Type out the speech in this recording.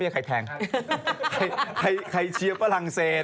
ใครเชียร์ฝรั่งเศส